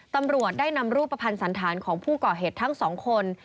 ตำรวจได้นำรูปภัณฑ์สันธารของผู้ก่อเหตุทั้งสองคน